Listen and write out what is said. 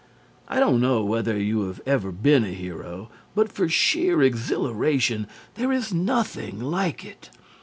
I don't know whether you have ever been a hero, but for sheer exhilaration there is nothing like it.